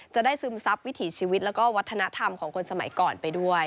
จะได้ซึมทรัพย์วิถีชีวิตและวัฒนธรรมของคนสมัยก่อนไปด้วย